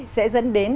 sẽ dẫn đến